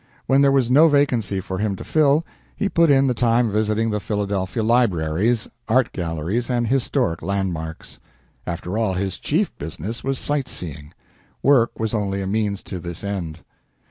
When there was no vacancy for him to fill, he put in the time visiting the Philadelphia libraries, art galleries, and historic landmarks. After all, his chief business was sight seeing. Work was only a means to this end.